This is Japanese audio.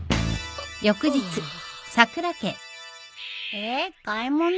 えっ買い物？